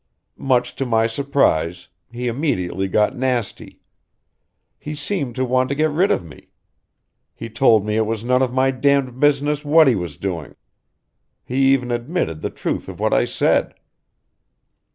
"Much to my surprise, he immediately got nasty. He seemed to want to get rid of me. He told me it was none of my damned business what he was doing. He even admitted the truth of what I said.